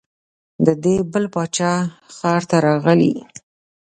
د دې بل باچا ښار ته راغلې.